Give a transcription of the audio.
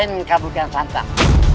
rasain kamu kian santang